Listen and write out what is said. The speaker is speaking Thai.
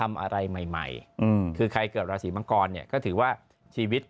เวลาเหลืออีก๒๔๕นาที